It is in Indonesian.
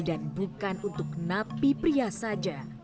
dan bukan untuk napi pria saja